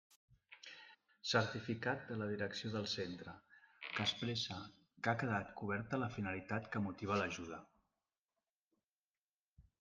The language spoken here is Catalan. Certificat de la direcció del centre que expresse que ha quedat coberta la finalitat que motivà l'ajuda.